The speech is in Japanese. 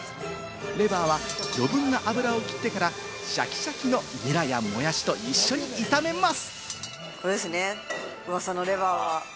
レバーは余分な油を切ってから、シャキシャキのニラやモヤシと一緒に炒めます。